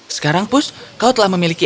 sekarang pus kau telah memiliki